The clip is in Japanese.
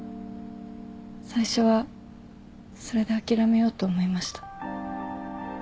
最初はそれで諦めようと思いました。